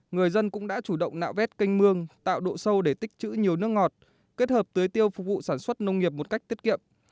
người dân cũng đã chủ động nạo vét canh mương tạo độ sâu để tích chữ nhiều nước ngọt kết hợp tưới tiêu phục vụ sản xuất nông nghiệp một cách tiết kiệm